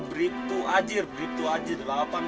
beritu ajar beritu ajar